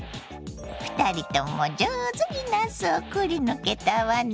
２人とも上手になすをくりぬけたわね。